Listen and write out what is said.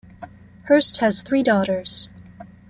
Hirst has three daughters.